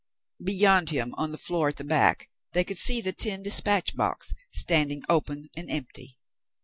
Beyond him, on the floor at the back, they could see the tin dispatch box standing open and empty.